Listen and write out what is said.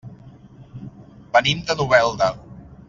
Venim de Novelda.